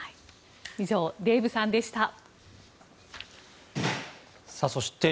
以上、デーブさんでした。